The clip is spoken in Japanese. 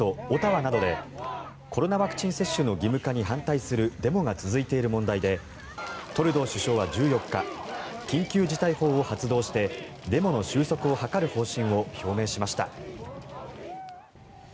オタワなどでコロナワクチン接種の義務化に反対するデモが続いている問題でトルドー首相は１４日緊急事態法を発動してデモの収束を図る方針を表明しました。